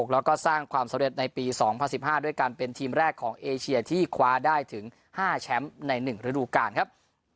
แล้วก็สร้างความสำเร็จในปี๒๐๑๕ด้วยการเป็นทีมแรกของเอเชียที่คว้าได้ถึง๕แชมป์ใน๑ฤดูกาลครับ